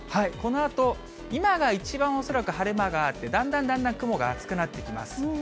このあと、今が一番恐らく晴れ間があって、だんだんだんだん雲が厚くなってきます。